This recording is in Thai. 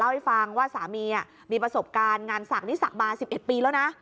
เล่าให้ฟังว่าสามีอ่ะมีประสบการณ์งานศักดิ์นี้ศักดิ์มาสิบเอ็ดปีแล้วนะ